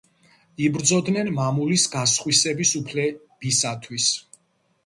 იბრძოდნენ მამულის გასხვისების უფლებისათვის.